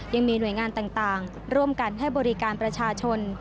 ยังมีหน่วยงานต่างร่วมกันให้บริการประชาชน